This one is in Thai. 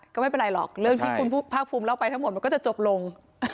ก็ไม่เป็นไรหรอกเรื่องที่คุณภาคภูมิเล่าไปทั้งหมดมันก็จะจบลง